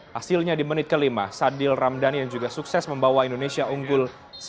hasilnya di menit ke lima sadil ramdhani yang juga sukses membawa indonesia unggul satu